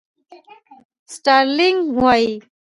سټارلېنک وایي.